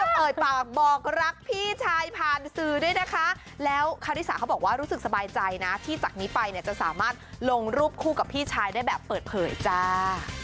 เอ่ยปากบอกรักพี่ชายผ่านสื่อด้วยนะคะแล้วคาริสาเขาบอกว่ารู้สึกสบายใจนะที่จากนี้ไปเนี่ยจะสามารถลงรูปคู่กับพี่ชายได้แบบเปิดเผยจ้า